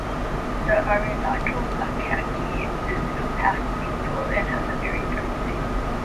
The Arunachal macaque is compactly built and has a very dark face.